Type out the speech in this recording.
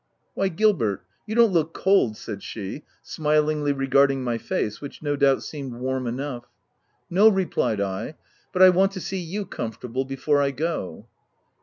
" Why Gilbert, you don't look cold V* said she, smilingly regarding my face, which no doubt seemed warm enough. " No," replied I, "but I want to see you comfortable before I go."